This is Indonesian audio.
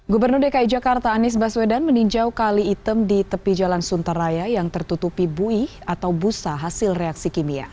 gubernur dki jakarta anies baswedan meninjau kali hitam di tepi jalan suntaraya yang tertutupi buih atau busa hasil reaksi kimia